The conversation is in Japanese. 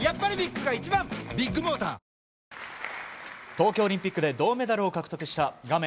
東京オリンピックで銅メダルを獲得した画面